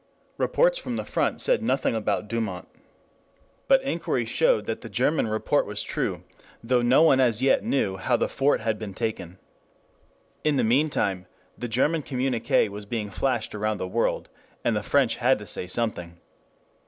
Reports from the front said nothing about Douaumont. But inquiry showed that the German report was true, though no one as yet knew how the fort had been taken. In the meantime, the German communiqué was being flashed around the world, and the French had to say something.